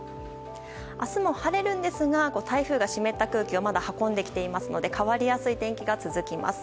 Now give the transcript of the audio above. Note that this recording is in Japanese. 明日も晴れるんですが台風が湿った空気を運びますので変わりやすい天気が続きます。